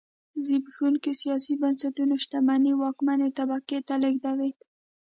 زبېښونکي سیاسي بنسټونه شتمنۍ واکمنې طبقې ته لېږدوي.